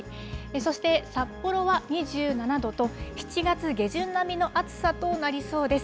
そして札幌は２７度と７月下旬並みの暑さとなりそうです。